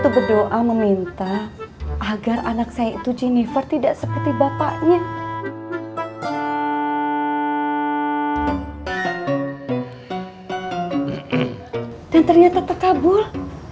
tuh berdoa meminta agar anak saya itu jenifer tidak seperti bapaknya dan ternyata tak kabul